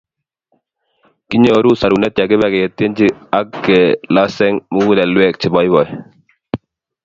Kinyoru sorunet yekibe ketienchi ak keloseng mugulelwek cheboiboi